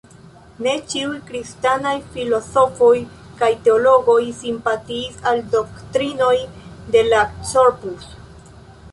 Ne ĉiuj kristanaj filozofoj kaj teologoj simpatiis al doktrinoj de la "Corpus".